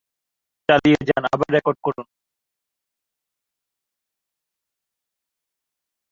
আমাদের কথা ভুলো না।